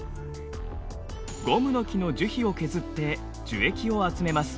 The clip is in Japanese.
ゴムノキの樹皮を削って樹液を集めます。